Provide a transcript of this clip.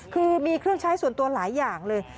คือมีเครื่องใช้ส่วนตัวหลายอย่างเลย